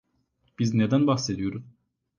Biz neden bahsediyoruz?